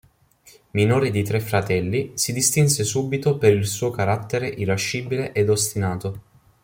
Minore di tre fratelli, si distinse subito per il suo carattere irascibile ed ostinato.